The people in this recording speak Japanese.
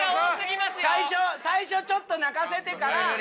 最初ちょっと泣かせてから。